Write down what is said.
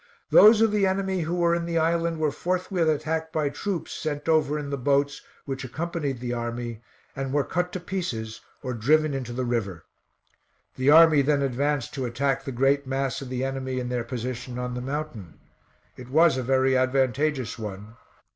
Those of the enemy who were in the island were forthwith attacked by troops sent over in the boats which accompanied the army, and were cut to pieces or driven into the river. The army then advanced to attack the great mass of the enemy in their position on the mountain. It was a very advantageous one.